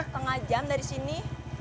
tengah jam dari sini